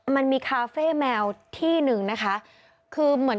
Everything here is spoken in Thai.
มันมีคาเฟ่แมวที่หนึ่ง